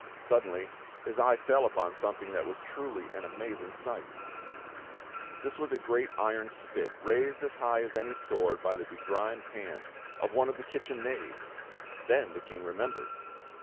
Suddenly his eye fell upon something that was truly an amazing sight: This was a great iron spit raised as high as any sword by the begrimed hand of one of the kitchen knaves. Then the King remembered!